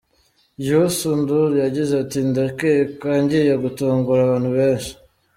Youssou Ndour yagize ati :« Ndakeka ngiye gutungura abantu benshi.